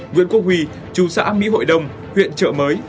nguyễn quốc huy chú xã mỹ hội đông huyện trợ mới